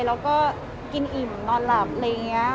แล้วก็กินอิ่มนอนหลับอะไรอย่างนี้